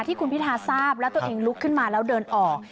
ที่คุณพิธาทราบแล้วตัวเองลุกขึ้นมาแล้วเดินออก